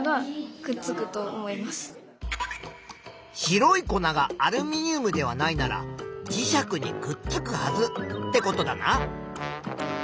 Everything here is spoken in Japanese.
白い粉がアルミニウムではないなら磁石にくっつくはずってことだな。